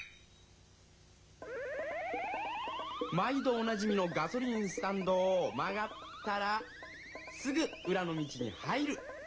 毎どおなじみのガソリンスタンドをまがったらすぐうらの道に入る。